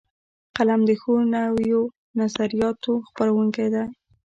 قلم د ښو نویو نظریاتو خپروونکی دی